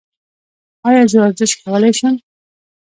ایا زه ورزش کولی شم؟